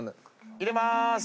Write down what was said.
入れまーす。